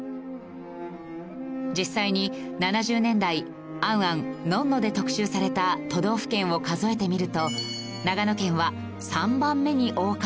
実際に７０年代『ａｎ・ａｎ』『ｎｏｎ−ｎｏ』で特集された都道府県を数えてみると長野県は３番目に多かったのです。